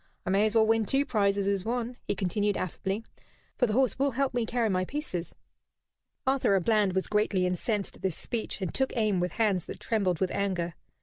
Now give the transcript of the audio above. "I may as well win two prizes as one," he continued, affably, "for the horse will help me carry my pieces." Arthur à Bland was greatly incensed at this speech, and took aim with hands that trembled with anger.